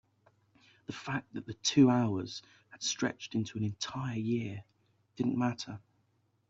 the fact that the two hours had stretched into an entire year didn't matter.